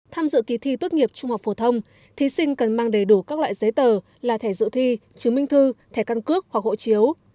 tham dự kỳ thi tốt nghiệp trung học phổ thông thí sinh cần mang đầy đủ các loại giấy tờ là thẻ dự thi chứng minh thư thẻ căn cước hoặc hộ chiếu